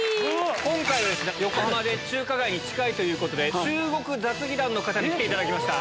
今回は横浜で中華街に近いということで中国雑技団の方に来ていただきました。